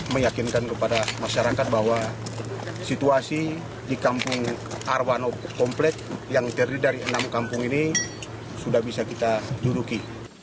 meyakinkan kepada masyarakat bahwa situasi di kampung arwana komplek yang terdiri dari enam kampung ini sudah bisa kita duduki